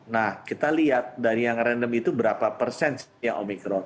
nah kita lihat dari yang random itu berapa persen yang omikron